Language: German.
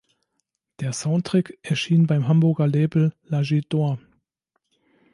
Der Soundtrack erschien beim Hamburger Label L’age d’or.